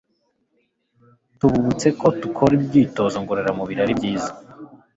tububutse ko gukora imyitozo ngororamubirari ari byiza